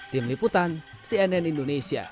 tim liputan cnn indonesia